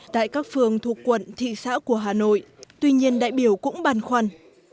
tại các phường thuộc quận thị xã của hà nội tuy nhiên đại biểu cũng bàn khoăn